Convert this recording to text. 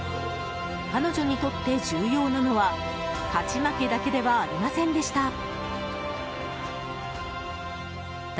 彼女にとって重要なのは勝ち負けだけではありませんでした。